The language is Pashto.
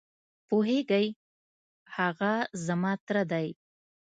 پوهېږې؟ هغه زما تره دی.